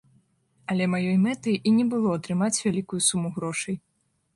Але маёй мэтай і не было атрымаць вялікую суму грошай.